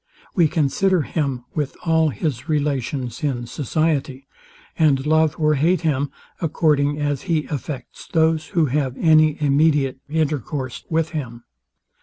We consider him with all his relations in society; and love or hate him, according as he affects those, who have any immediate intercourse with him.